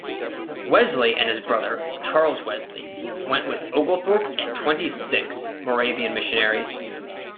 Wesley and his brother, Charles Wesley, went with Oglethorpe and twenty-six Moravian missionaries.